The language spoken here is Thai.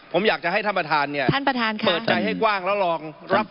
ผมอยากจะให้ท่านประธานเนี่ยเปิดใจให้กว้างแล้วลองรับฟัง